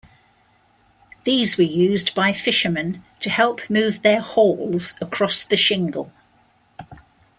These were used by fishermen to help move their hauls across the shingle.